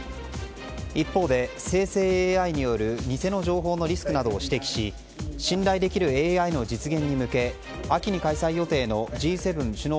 一方で生成ＡＩによる偽の情報のリスクなどを指摘し信頼できるＡＩの実現に向け秋に開催予定のＧ７首脳